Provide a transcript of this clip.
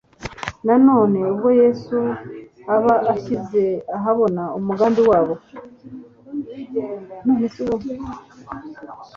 Na none ubwo Yesu aba ashyize ahabona umugambi wabo.